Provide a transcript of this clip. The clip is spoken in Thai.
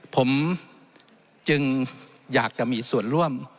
ผมจึงอยากจะมีส่วนร่วม